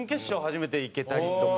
初めて行けたりとか。